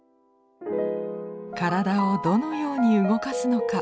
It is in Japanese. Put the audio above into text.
体をどのように動かすのか